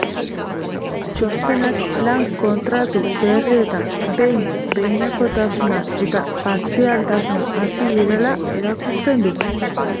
Txostenak lan-kontratu berrietan behin-behinekotasuna eta partzialtasuna hazi direla erakusten du.